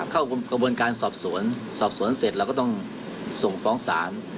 เข้ากับกระบวนการสอบสวนเสร็จเราก็ต้องส่งฟ้องสาร